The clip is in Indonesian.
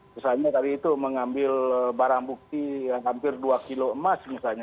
misalnya tadi itu mengambil barang bukti yang hampir dua kilo emas misalnya